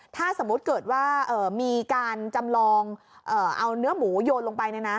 ถ้าสมมุติเกิดว่ามีการจำลองเอาเนื้อหมูโยนลงไป